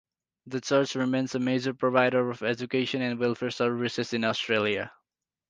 The church remains a major provider of education and welfare services in Australia.